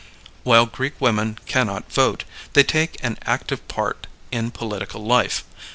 While Greek women cannot vote, they take an active part in political life.